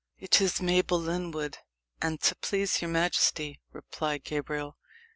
"It is Mabel Lyndwood, an't please your majesty," replied Gabriel.